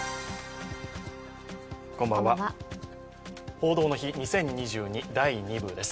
「報道の日２０２２・第２部」です。